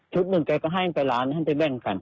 หนึ่งแกก็ให้ไปล้านให้ไปแบ่งกัน